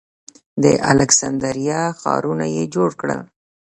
د الکسندریه ښارونه یې جوړ کړل